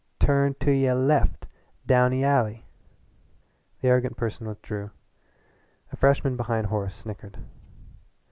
Turn to y' left! Down ee alley!" The arrogant person withdrew. A freshman behind Horace snickered.